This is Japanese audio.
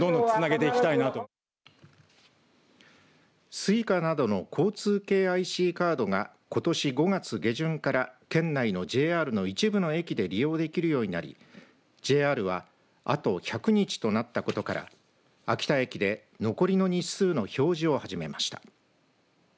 Ｓｕｉｃａなどの交通系ＩＣカードがことし５月下旬から県内のＪＲの一部の駅で利用できるようになりＪＲはあと１００日となったことから秋田駅で残りの日数の表示を始めました。